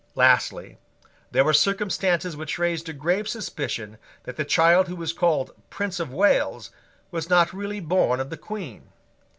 Lastly, there were circumstances which raised a grave suspicion that the child who was called Prince of Wales was not really born of the Queen.